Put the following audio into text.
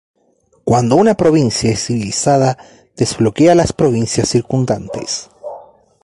Cuando una provincia es civilizada, desbloquea las provincias circundantes.